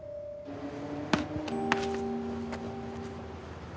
うん。